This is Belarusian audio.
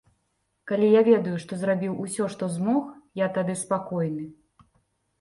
Калі я ведаю, што зрабіў усё, што змог, я тады спакойны.